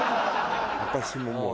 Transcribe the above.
私も思う。